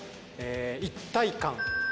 一体感。